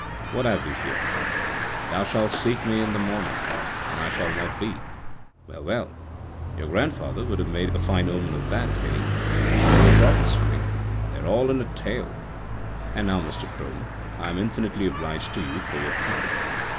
what have we here? 'Thou shalt seek me in the morning, and I shall not be.' Well, well! Your grandfather would have made a fine omen of that, hey? No more prophets for me! They are all in a tale. And now, Mr, Crome, I am infinitely obliged to you for your packet.